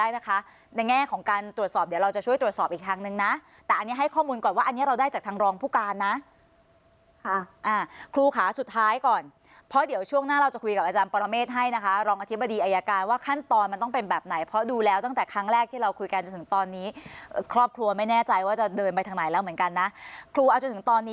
ในแง่ของการตรวจสอบเดี๋ยวเราจะช่วยตรวจสอบอีกทางนึงนะแต่อันนี้ให้ข้อมูลก่อนว่าอันนี้เราได้จากทางรองผู้การนะค่ะอ่าครูค่ะสุดท้ายก่อนเพราะเดี๋ยวช่วงหน้าเราจะคุยกับอาจารย์ปรเมฆให้นะคะรองอธิบดีอายการว่าขั้นตอนมันต้องเป็นแบบไหนเพราะดูแล้วตั้งแต่ครั้งแรกที่เราคุยกันจนถึงตอนนี้ครอบครัวไม่แน่ใจว่าจะเดินไปทางไหนแล้วเหมือนกันนะครูเอาจนถึงตอนนี้